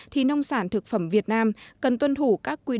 thì nông sản thực phẩm việt nam cần tuân thủ các quy định